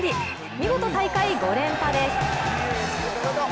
見事大会５連覇です。